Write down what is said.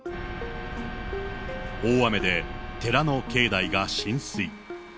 大雨で寺の境内が浸水。